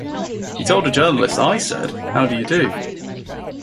He told a journalist, I said, 'How do you do.